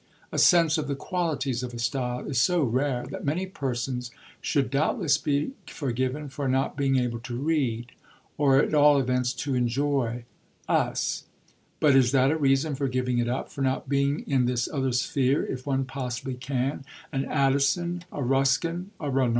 A sense of the qualities of a style is so rare that many persons should doubtless be forgiven for not being able to read, or at all events to enjoy, us; but is that a reason for giving it up for not being, in this other sphere, if one possibly can, an Addison, a Ruskin, a Renan?